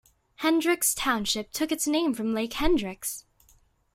Hendricks Township took its name from Lake Hendricks.